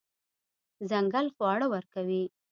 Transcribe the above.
ځنګل خواړه ورکوي.